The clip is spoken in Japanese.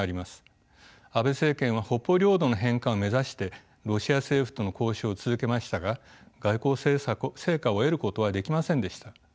安倍政権は北方領土の返還を目指してロシア政府との交渉を続けましたが外交成果を得ることはできませんでした。